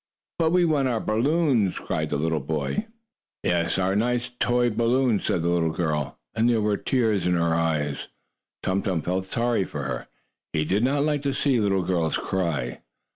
"But we want our balloons!" cried the little boy. "Yes, our nice toy balloons!" said the little girl, and there were tears in her eyes. Tum Tum felt sorry for her. He did not like to see little girls cry.